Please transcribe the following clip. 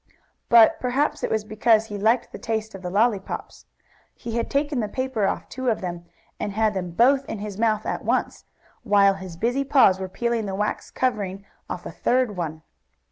But perhaps it was because he liked the taste of the lollypops. He had taken the paper off two of them, and had them both in his mouth at once, while his busy paws were peeling the wax covering off a third one.